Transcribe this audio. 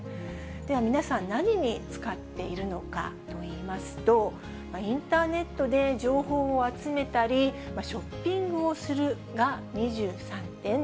では皆さん、何に使っているのかといいますと、インターネットで情報を集めたり、ショッピングをするが２３．７％。